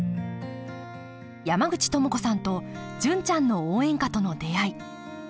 山口智子さんと「純ちゃんの応援歌」との出会い。